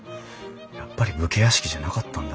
やっぱり武家屋敷じゃなかったんだ。